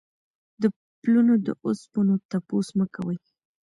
د پلونو د اوسپنو تپوس مه کوئ.